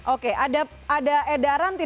oke ada edukasi